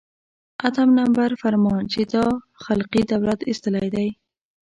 اتم نمبر فرمان چې دا خلقي دولت ایستلی دی.